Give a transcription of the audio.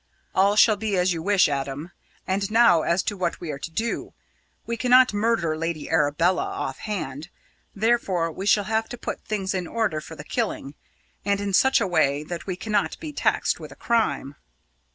"All shall be as you wish, Adam. And now as to what we are to do? We cannot murder Lady Arabella off hand. Therefore we shall have to put things in order for the killing, and in such a way that we cannot be taxed with a crime."